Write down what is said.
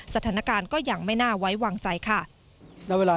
สถานการณ์ก็ยังไม่น่าไว้วางใจค่ะ